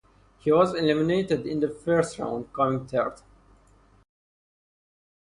He was eliminated in the first round, coming third.